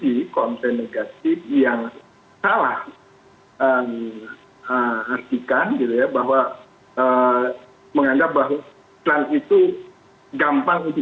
ini negatif adalah terdapat a yang berarti pandemi terasa baik yang berarti